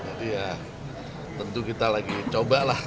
jadi ya tentu kita lagi cobalah